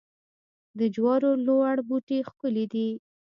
د جوارو لوړ بوټي ښکلي دي.